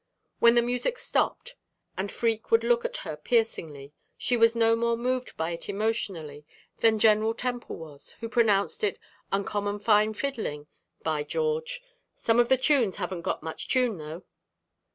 When the music stopped, and Freke would look at her piercingly, she was no more moved by it emotionally than General Temple was, who pronounced it "uncommon fine fiddling, by George! Some of the tunes haven't got much tune, though."